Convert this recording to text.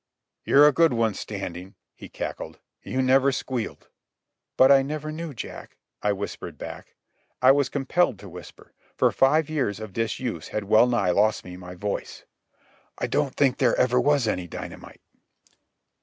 "You're a good one, Standing," he cackled. "You never squealed." "But I never knew, Jack," I whispered back—I was compelled to whisper, for five years of disuse had well nigh lost me my voice. "I don't think there ever was any dynamite."